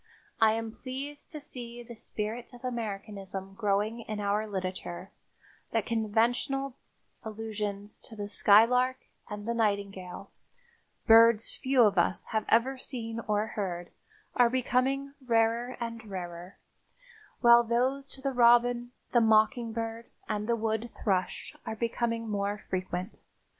I am pleased to see the spirit of Americanism growing in our literature, that conventional allusions to the skylark and the nightingale, birds few of us have ever seen or heard, are becoming rarer and rarer, while those to the robin, the mockingbird and the wood thrush are becoming more frequent.